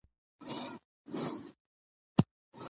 د خپل ګران وجود په وینو لویوي یې